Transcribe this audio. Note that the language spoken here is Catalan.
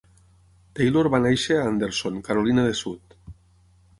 Taylor va néixer a Anderson, Carolina de Sud.